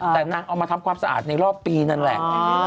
แต่นางเอามาทำความสะอาดในรอบปีนั่นแหละ